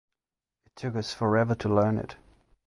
It took us forever to learn it.